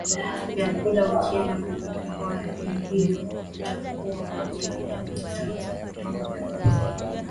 vyakulaUkienda kwenye mikoa hiyo utakuta wamejenga jamii zao na vyama vyao vya kusaidiana